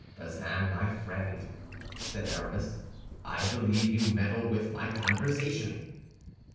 "Bazin, my friend," said Aramis, "I believe you meddle with my conversation."